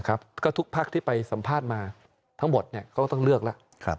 ก็ทุกพักที่ไปสัมภาษณ์มาทั้งหมดเขาก็ต้องเลือกแล้ว